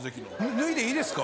脱いでいいですか？